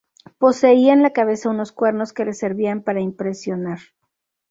Poseía en la cabeza unos cuernos que le servían para impresionar.